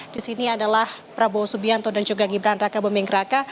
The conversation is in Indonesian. di sini adalah prabowo subianto dan juga gibran raka buming raka